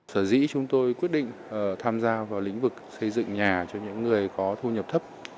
sở dĩ chúng tôi quyết định tham gia vào lĩnh vực xây dựng nhà cho những người có thu nhập thấp